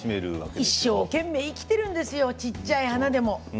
一生懸命生きているんですよ、ちいちゃい花でも。